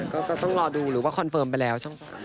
ก็ต้องรอดูหรือว่าคอนเฟิร์มไปแล้วช่อง๓